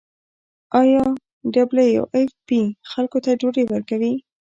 آیا ډبلیو ایف پی خلکو ته ډوډۍ ورکوي؟